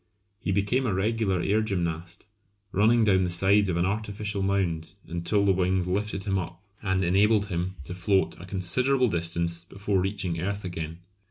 He became a regular air gymnast, running down the sides of an artificial mound until the wings lifted him up and enabled him to float a considerable distance before reaching earth again.